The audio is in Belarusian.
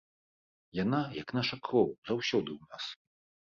Яна, як наша кроў, заўсёды ў нас.